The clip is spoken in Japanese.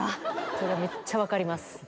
それめっちゃ分かります。